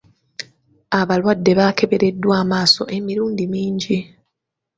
Abalwadde baakebereddwa amaaso emirundi mingi.